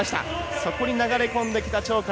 そこに流れ込んできた鳥海。